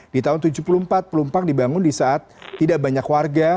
di tahun seribu sembilan ratus tujuh puluh empat pelumpang dibangun di saat tidak banyak warga